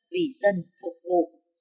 vì dân phục vụ